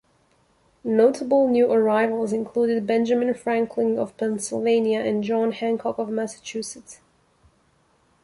Notable new arrivals included Benjamin Franklin of Pennsylvania and John Hancock of Massachusetts.